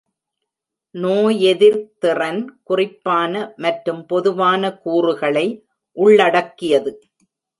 நோயெதிர்த்திறன் குறிப்பான மற்றும் பொதுவான கூறுகளை உள்ளடக்கியது.